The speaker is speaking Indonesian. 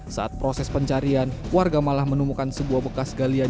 saat proses pencarian warga malah menemukan sebuah bekas galian